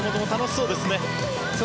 そうですね。